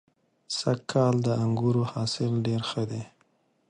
سږ کال د انګورو حاصل ډېر ښه دی.